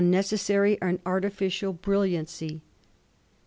necessary and artificial brilliancy.